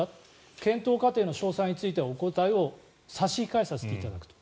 検討過程の詳細についてはお答えを差し控えさせていただくと。